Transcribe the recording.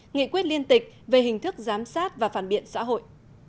nghị quyết liên tịch về hình thức giám sát và phản biện xã hội